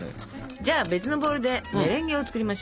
じゃあ別のボウルでメレンゲを作りましょう。